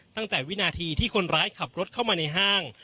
วินาทีที่คนร้ายขับรถเข้ามาในห้าง